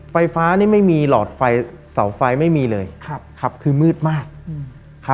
ไฟฟ้าไม่มีหลอดไฟเสาไฟไม่มีเลยคือมืดมาก